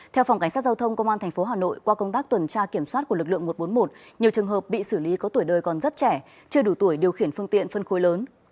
theo phòng cảnh sát giao thông công an tp hà nội qua công tác tuần tra kiểm soát của lực lượng một trăm bốn mươi một nhiều trường hợp bị xử lý có tuổi đời còn rất trẻ chưa đủ tuổi điều khiển phương tiện phân khối lớn